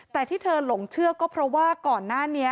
แต่ที่เธอหลงเชื่อก็เพราะว่าก่อนหน้านี้